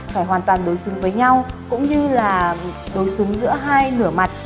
phải hoàn toàn đối xứng với nhau cũng như là đối xứng giữa hai nửa mặt